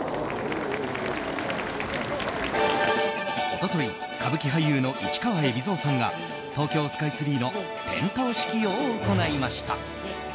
一昨日、歌舞伎俳優の市川海老蔵さんが東京スカイツリーの点燈式を行いました。